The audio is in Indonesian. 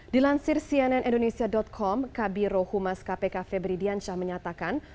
dilansir cnn indonesia com kb rohumas kpk febridianca menyatakan